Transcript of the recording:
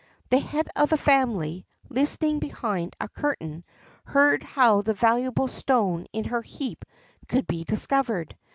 The head of the family, listening behind a curtain, heard how the valuable stone in her heap could be discovered.